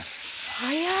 早い！